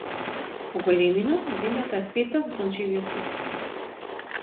По големина земјата е петта во сончевиот систем.